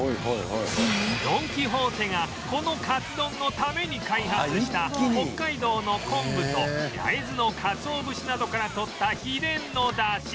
ドン・キホーテがこのかつ丼のために開発した北海道の昆布と焼津のカツオ節などからとった秘伝の出汁